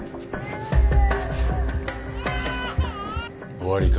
・終わりか？